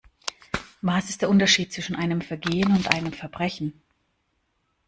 Was ist der Unterschied zwischen einem Vergehen und einem Verbrechen?